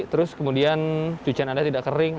terus kemudian cucian anda tidak kering